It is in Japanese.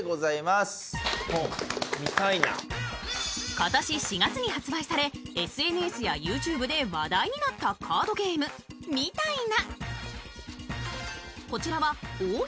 今年４月に発売されＳＮＳやＹｏｕＴｕｂｅで話題になったカードゲーム、「ミタイナ」。